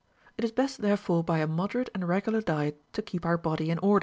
It is best therefore by a moderate and regular diet to keep our body in order, so vr»T.